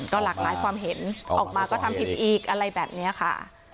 ก็หลากหลายความเห็นออกมาก็ทำผิดอีกอะไรแบบนี้ค่ะ